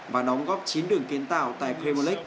và đóng góp chín đường kiến tạo tại kremlick